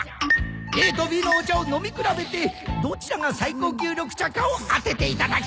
ＡとＢのお茶を飲み比べてどちらが最高級緑茶かを当てていただきます！